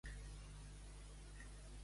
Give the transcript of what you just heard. Qui va escriure sobre Polide?